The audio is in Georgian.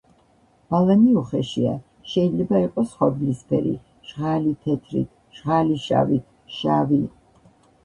ბალანი უხეშია, შეიძლება იყოს ხორბლისფერი, ჟღალი თეთრით, ჟღალი შავით, შავი.